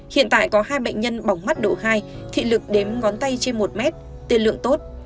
hiện tại có hai bệnh nhân bỏng mắt độ hai thị lực đếm ngón tay trên một mét tiền lượng tốt